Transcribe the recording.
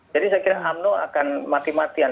jadi saya kira umno akan mati matian